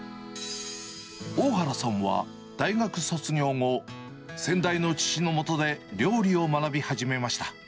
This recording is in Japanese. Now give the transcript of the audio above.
大原さんは大学卒業後、先代の父のもとで料理を学び始めました。